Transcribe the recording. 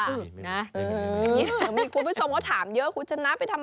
มีคุณผู้ชมเขาถามเยอะคุณชนะไปทำ